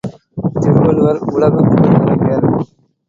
திருவள்ளுவர் உலகு புகழ் கவிஞர்.